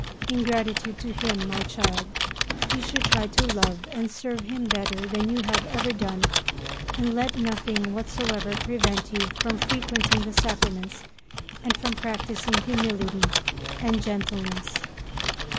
In gratitude to Him, my child, you should try to love and serve Him better than you have ever done and to let nothing whatsoever prevent you from frequenting the sacraments and from practising humility and gentleness.